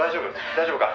「大丈夫か？